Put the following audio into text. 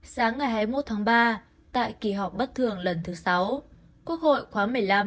sáng ngày hai mươi một tháng ba tại kỳ họp bất thường lần thứ sáu quốc hội khóa một mươi năm